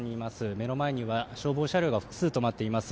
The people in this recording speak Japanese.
目の前には消防車両が複数止まっています。